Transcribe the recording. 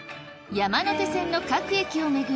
山手線の各駅を巡り